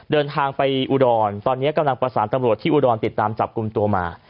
เดินทางไปอุดรตอนนี้กำลังประสานตำรวจที่อุดรติดตามจับกลุ่มตัวมา